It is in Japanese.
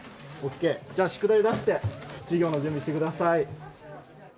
じゃあ、宿題出して、授業の準備してください。